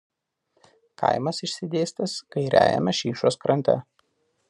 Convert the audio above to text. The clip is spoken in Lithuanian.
Kaimas išsidėstęs kairiajame Šyšos krante.